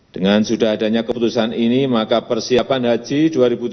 dengan sudah adanya keputusan ini maka persiapan haji dua ribu tujuh belas